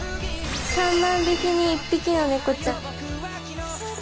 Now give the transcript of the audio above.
３万匹に１匹の猫ちゃん。